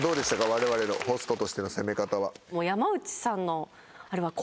我々のホストとしての攻め方はそう？